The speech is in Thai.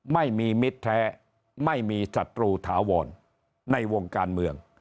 มิตรแท้ไม่มีศัตรูถาวรในวงการเมือง